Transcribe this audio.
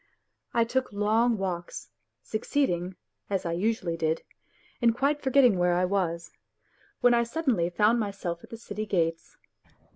I took long walks, succeeding, as I usually did, in quite forgetting where I was, when I suddenly found myself at the city gates.